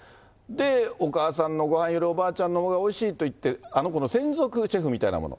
お母さんのごはんよりおばあちゃんのがおいしいと言って、あの子の専属シェフみたいなもの。